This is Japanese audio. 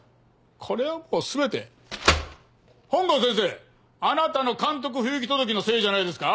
これはもう全て本郷先生あなたの監督不行き届きのせいじゃないですか？